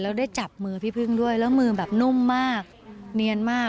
แล้วได้จับมือพี่พึ่งด้วยแล้วมือแบบนุ่มมากเนียนมาก